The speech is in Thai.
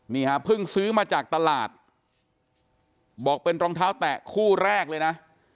นี่ฮะเพิ่งซื้อมาจากตลาดบอกเป็นรองเท้าแตะคู่แรกเลยนะ